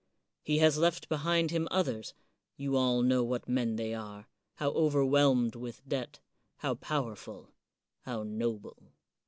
He has left behind him others — ^you all know what men they are, how overwhelmed with debt, how powerful, how noble.